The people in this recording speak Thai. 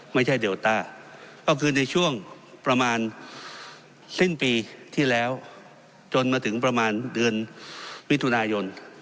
เดลต้าก็คือในช่วงประมาณสิ้นปีที่แล้วจนมาถึงประมาณเดือนมิถุนายน